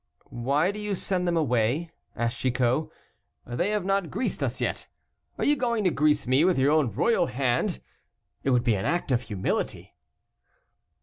"Why do you send them away?" asked Chicot, "they have not greased us yet. Are you going to grease me with your own royal hand? It would be an act of humility."